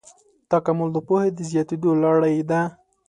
تکامل د پوهې د زیاتېدو لړۍ ده.